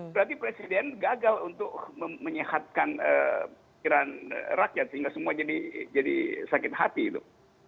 berarti presiden gagal untuk menyehatkan pikiran rakyat sehingga semua jadi sakit hati itu